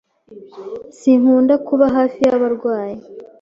Sinkunda kuba hafi yabarwayi.